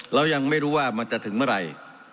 เรายังไม่รู้ว่ามันจะถึงเมื่อไหร่